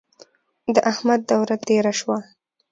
د احمد دوره تېره شوه.